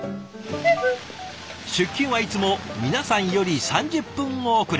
出勤はいつも皆さんより３０分遅れ。